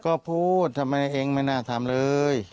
ก็พูดทำไมเองไม่น่าทำเลย